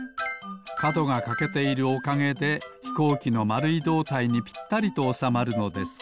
かどがかけているおかげでひこうきのまるいどうたいにぴったりとおさまるのです。